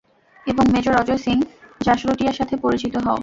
এবং মেজর অজয় সিং জাসরোটিয়ার সাথে পরিচিত হও।